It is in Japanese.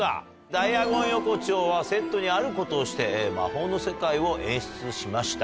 ダイアゴン横丁はセットにあることをして魔法の世界を演出しました